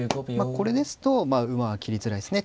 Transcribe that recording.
これですと馬は切りづらいですね。